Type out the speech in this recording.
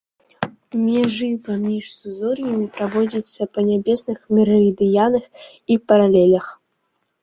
Межы паміж сузор'ямі праводзяцца па нябесных мерыдыянах і паралелях.